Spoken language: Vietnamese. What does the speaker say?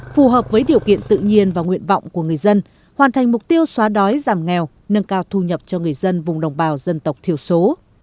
phù hợp với điều kiện tự nhiên và nguyện vọng của người dân hoàn thành mục tiêu xóa đói giảm nghèo nâng cao thu nhập cho người dân vùng đồng bào dân tộc thiểu số